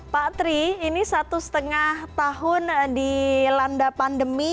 pak tri ini satu setengah tahun di landa pandemi